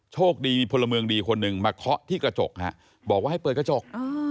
โชคดีมีพลเมืองดีคนหนึ่งมาเคาะที่กระจกฮะบอกว่าให้เปิดกระจก